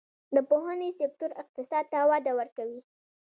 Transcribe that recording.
د پوهنې سکتور اقتصاد ته وده ورکوي